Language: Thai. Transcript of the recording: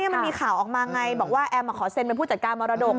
มันมีข่าวออกมาไงบอกว่าแอมขอเซ็นเป็นผู้จัดการมรดก